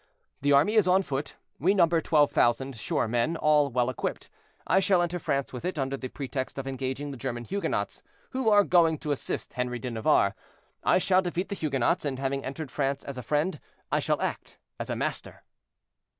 "The army is on foot; we number twelve thousand sure men, all well equipped; I shall enter France with it, under the pretext of engaging the German Huguenots, who are going to assist Henri de Navarre. I shall defeat the Huguenots, and having entered France as a friend, I shall act as a master."